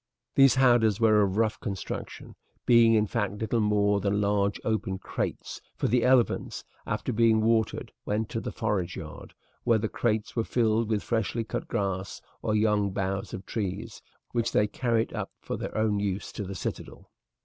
These howdahs were of rough construction, being in fact little more than large open crates, for the elephants after being watered went to the forage yard, where the crates were filled with freshly cut grass or young boughs of trees, which they carried up for their own use to the citadel.